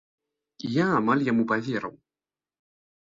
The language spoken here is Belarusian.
І я амаль яму паверыў.